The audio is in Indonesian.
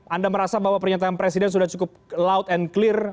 anda merasa bahwa pernyataan presiden sudah cukup loud and clear